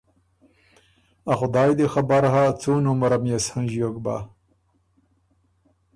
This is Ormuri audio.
ا خدای دی خبر هۀ څُون عمرم يې سو هنݫیوک بَۀ۔